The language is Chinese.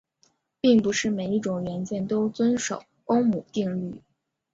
并不是每一种元件都遵守欧姆定律。